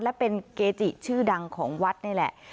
และเป็นเกจิชื่อดังของวัดนี่แหละ